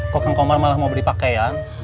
kok yang komar malah mau beli pakaian